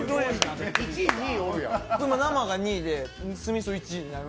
生が２位で、酢みそ１位です。